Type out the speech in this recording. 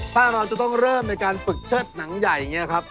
ถ้าเราจะต้องเริ่มในการฝึกเชิดหนังใหญ่อย่างนี้ครับ